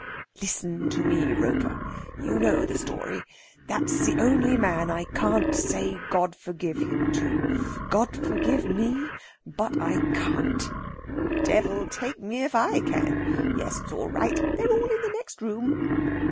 "Listen to me, Roper. You know the story. That's the only man I can't say God forgive him to. God forgive me, but I can't." "Devil take me if I can!... Yes, it's all right. They're all in the next room...."